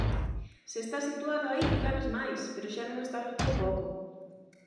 Se estás situado aí ganas máis, pero xa non estás no teu pobo.